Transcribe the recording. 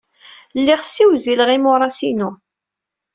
Lliɣ ssiwzileɣ imuras-inu.